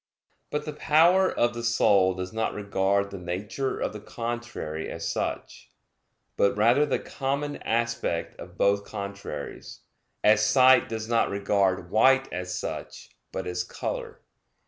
But the power of the soul does not regard the nature of the contrary as such, but rather the common aspect of both contraries; as sight does not regard white as such, but as color.